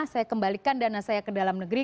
saya kembalikan dana saya ke dalam negeri